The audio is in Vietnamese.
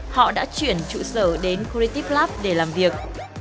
họ đã chuyển trụ sở đến creative lab để làm việc